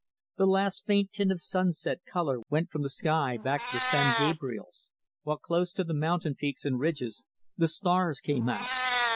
The last faint tint of sunset color went from the sky back of the San Gabriels; while, close to the mountain peaks and ridges, the stars came out.